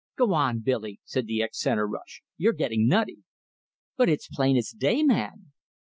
"Go on, Billy!" said the ex centre rush. "You're getting nutty!" "But it's plain as day, man!"